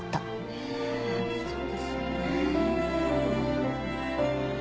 ねえそうですよね。